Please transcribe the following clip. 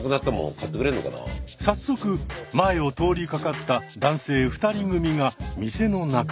早速前を通りかかった男性２人組が店の中へ。